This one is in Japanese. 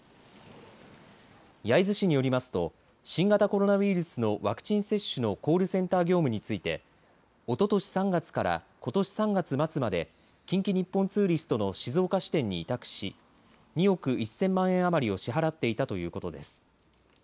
焼津市によりますと新型コロナウイルスのワクチン接種のコールセンター業務についておととし３月からことし３月末まで近畿日本ツーリストの静岡支店に委託し２億１０００万円余りを支払っていたということです。